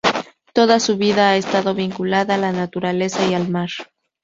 Toda su vida ha estado vinculada a la naturaleza y al mar.